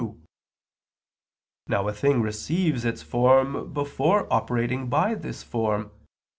2). Now a thing receives its form before operating by this form.